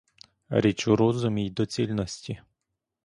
Річ у розумі й доцільності.